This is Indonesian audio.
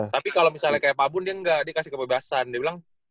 tapi kalau misalnya kayak pak bun dia gak dia kasih kebebasan dia bilang